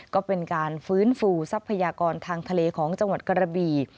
ก็เป็นการฟื้นฟูทรัพยากรทางทะเลของจังหวัดกระบี